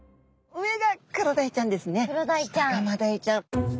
下がマダイちゃん。